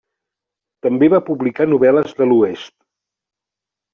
També va publicar novel·les de l'oest.